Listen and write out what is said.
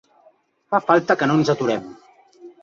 Fa falta que no ens aturem.